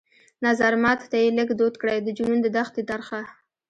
نظرمات ته يې لږ دود کړى د جنون د دښتي ترخه